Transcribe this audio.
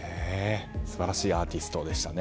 素晴らしいアーティストでしたね。